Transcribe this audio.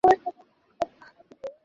তুমি একটু বেশি গিলে ফেলেছ।